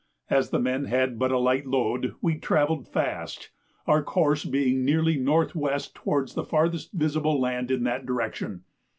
As the men had but a light load we travelled fast, our course being nearly N.W. towards the farthest visible land in that direction.